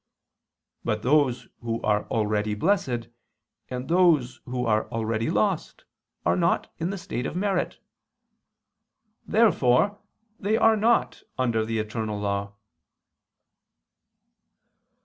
But those who are already blessed, and those who are already lost, are not in the state of merit. Therefore they are not under the eternal law.